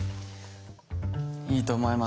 いいと思います。